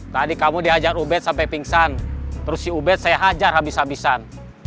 tadi kamu diajak ubed sampai pingsan terus si ubed saya hajar habis habisan